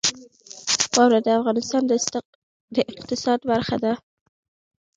واوره د افغانستان د اقتصاد برخه ده.